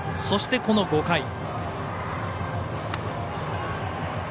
そして、この５回。